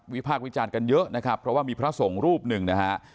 พากษ์วิจารณ์กันเยอะนะครับเพราะว่ามีพระสงฆ์รูปหนึ่งนะฮะ